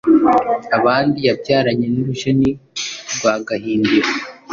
abandi yabyaranye n’Urujeni rwa Gahindiro.